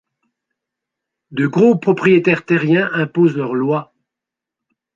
De gros propriétaires terriens imposent leur lois.